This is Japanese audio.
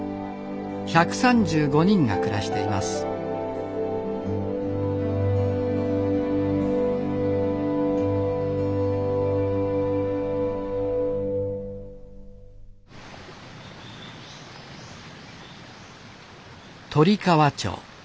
１３５人が暮らしています鳥川町。